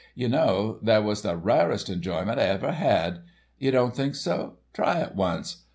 Ye know, that was the rarest enjoyment I ever had. Ye don't think so? Try it once!